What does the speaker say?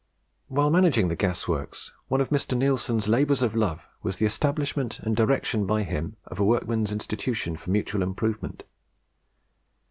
While managing the Gas works, one of Mr. Neilson's labours of love was the establishment and direction by him of a Workmen's Institution for mutual improvement.